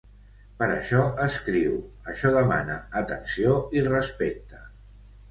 Per això, escriu: Això demana atenció i respecte.